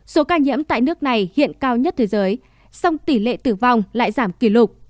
số ca nhiễm tại nước này hiện cao nhất thế giới song tỷ lệ tử vong lại giảm kỷ lục